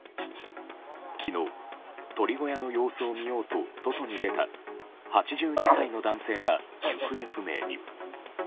昨日、鶏小屋の様子を見ようと外に出た８２歳の男性が行方不明に。